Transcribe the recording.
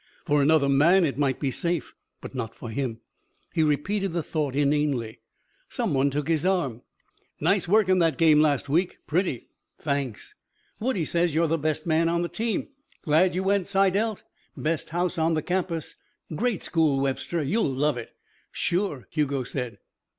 For another man, it might be safe. Not for him. He repeated the thought inanely. Some one took his arm. "Nice work in the game last week. Pretty." "Thanks." "Woodie says you're the best man on the team. Glad you went Psi Delt. Best house on the campus. Great school, Webster. You'll love it." "Sure," Hugo said.